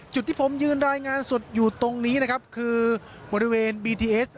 จุดที่ผมยืนรายงานสดอยู่ตรงนี้นะครับคือบริเวณบีทีเอส